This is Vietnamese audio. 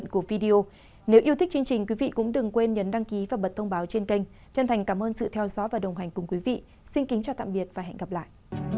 cảm ơn các bạn đã theo dõi và đồng hành cùng quý vị xin kính chào và hẹn gặp lại